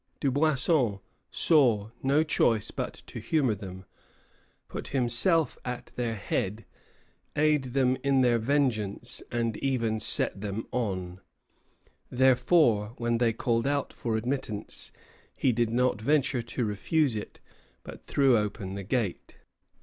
Dubuisson saw no choice but to humor them, put himself at their head, aid them in their vengeance, and even set them on. Therefore, when they called out for admittance, he did not venture to refuse it, but threw open the gate.